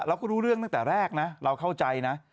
เราก็รู้เรื่องตั้งแต่แรกนะเราเข้าใจนะ